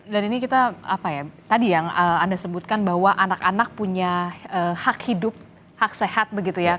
dan ini kita apa ya tadi yang anda sebutkan bahwa anak anak punya hak hidup hak sehat begitu ya